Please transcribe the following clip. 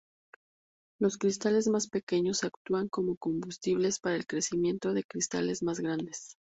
Los cristales más pequeños actúan como combustible para el crecimiento de cristales más grandes.